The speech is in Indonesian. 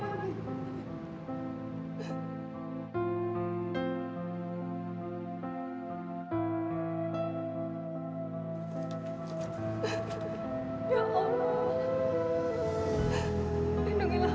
dan yang salah itu salah